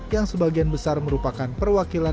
yang sebagian besar merupakan perwakilan